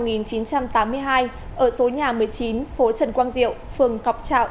ở số nhà một mươi chín phố trần quang diệu phường ngọc trạo